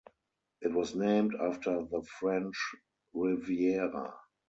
It was named after the French Riviera.